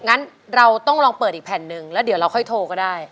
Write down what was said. งั้นเราต้องลองเปิดอีกแผ่นหนึ่งแล้วเดี๋ยวเราค่อยโทรก็ได้